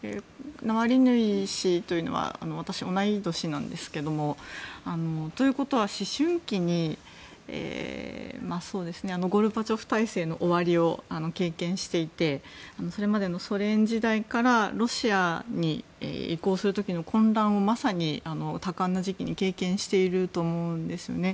ナワリヌイ氏というのは私、同い年なんですけどということは、思春期にゴルバチョフ体制の終わりを経験していてそれまでのソ連時代からロシアに移行する時の混乱をまさに多感な時期に経験していると思うんですよね。